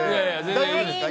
大丈夫ですか？